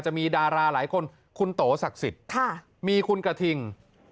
จะมีดาราหลายคนคุณโตศักดิ์สิทธิ์มีคุณกระทิง